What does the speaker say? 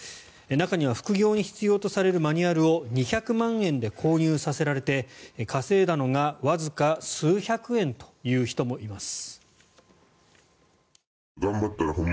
中には副業に必要とされるマニュアルを２００万円で購入させられて稼いだのがわずか数百円という人もいます。